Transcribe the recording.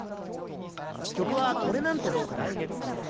曲はこれなんてどうかな？